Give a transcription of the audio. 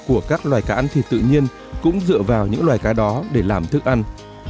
của các loài cá ăn thịt tự nhiên cũng dựa vào những loài cá đó để làm thức ăn